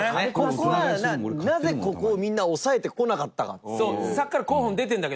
北山：なぜ、ここを、みんな押さえてこなかったかっていう。